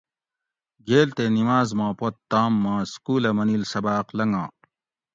گیل تے نماز ما پت تام ما سکولہ منیل سباۤق لنگا